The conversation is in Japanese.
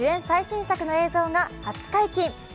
最新作の映像が初解禁。